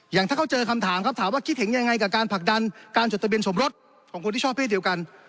อย่างถ้าเขาเจอคำถามครับถามว่าคิดเห็นยังไงกับการผลักดันการจดทะเบียนสมรสของคนที่ชอบเพศเดียวกัน